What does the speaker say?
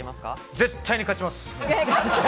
絶対に勝ちます！